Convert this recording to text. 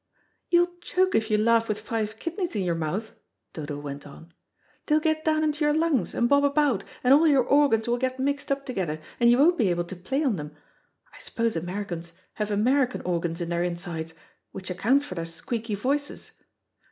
"You'll choke if you laugh with five kidneys in your mouth," Dodo went on. "They'll get down into your lungs and bob about, and all your organs will get mixed up together, and you won't be able to play on them. I suppose Americans have American organs in their insides, which accounts for their squeaky voices.